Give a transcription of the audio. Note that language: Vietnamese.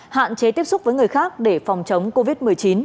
hạn chế tiếp xúc với người khác để phòng chống covid một mươi chín